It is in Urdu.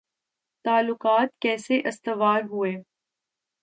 تعلقات کیسے استوار ہوئے